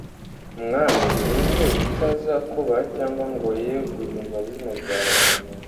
Mwami, ni nde utazakubaha cyangwa ngo ye guhimbaza izina ryawe,